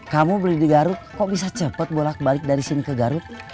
kamu beli di garut kok bisa cepat bolak balik dari sini ke garut